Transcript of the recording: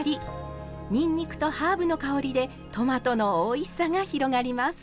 にんにくとハーブの香りでトマトのおいしさが広がります。